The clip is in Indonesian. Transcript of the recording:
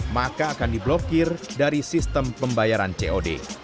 maka akan diblokir dari sistem pembayaran cod